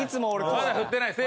まだ振ってない。